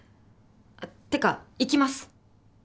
あってか行きます。